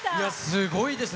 すごいです！